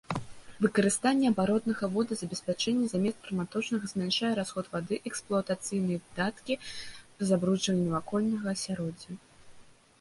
Выкарыстанне абаротнага водазабеспячэння замест праматочнага змяншае расход вады, эксплуатацыйныя выдаткі, забруджванне навакольнага асяроддзя.